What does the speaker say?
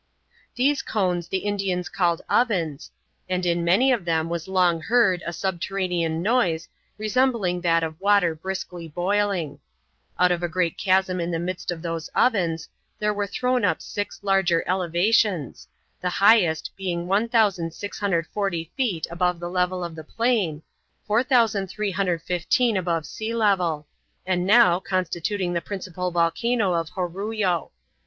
These cones the Indians called ovens, and in many of them was long heard a subterranean noise resembling that of water briskly boiling. Out of a great chasm in the midst of those ovens there were thrown up six larger elevations, the highest being 1,640 feet above the level of the plain, 4,315 above sea level, and now constituting the principal volcano of Jorullo.